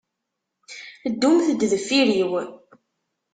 Ddumt-d deffir-iw.